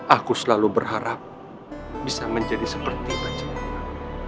aku selalu berharap bisa menjadi seperti bagaimana